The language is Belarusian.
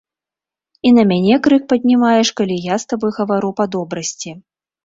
І на мяне крык паднімаеш, калі я з табой гавару па добрасці.